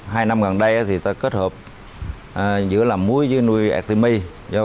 hai năm gần đây thì ta kết hợp giữa làm muối với nuôi artemia